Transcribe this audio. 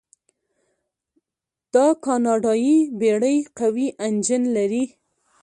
دا کاناډایي بیړۍ قوي انجن لري.